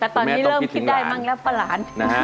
ตอนนี้เริ่มคิดได้บ้างแล้วปลาหลาน